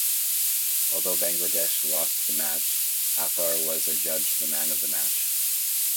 Although Bangladesh lost the match, Athar was adjudged the Man-of-the-Match.